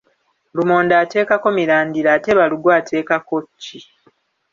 Lumonde ateekako mirandira ate balugu ateekako ki?